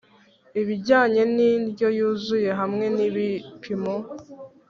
ibijyanye n'indyo yuzuye hamwe n'ibipimo